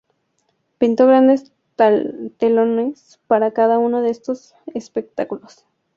Pintó grandes telones para cada uno de estos espectáculos.